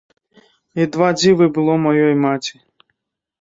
І два дзівы было маёй маці.